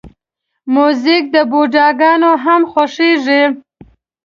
موزیک بوډاګان هم خوښوي.